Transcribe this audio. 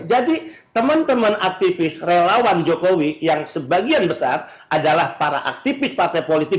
jadi teman teman aktivis relawan jokowi yang sebagian besar adalah para aktivis partai politik